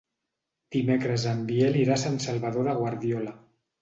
Dimecres en Biel irà a Sant Salvador de Guardiola.